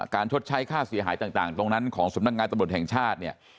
ชดใช้ค่าเสียหายต่างตรงนั้นของสำนักงานตำรวจแห่งชาติเนี่ย